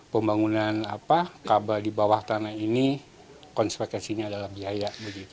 pembangunan kabel di bawah tanah ini konsekuensinya adalah biaya